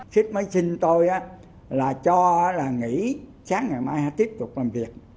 xít mới xin tôi là cho là nghỉ sáng ngày mai tiếp tục làm việc